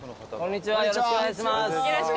よろしくお願いします